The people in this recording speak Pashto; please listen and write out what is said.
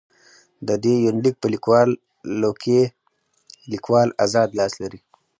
د دې يونليک په ليکلوکې ليکوال اذاد لاس لري.